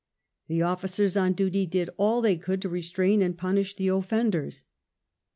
The officers on duty did all they could to restrain and punish the offenders.